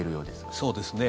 そうですね。